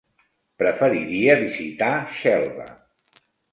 Preferiria visitar Xelva.